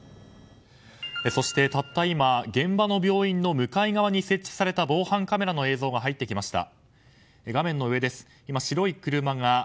そして、たった今現場の病院の向かい側に設置された防犯カメラの映像が入ってきました。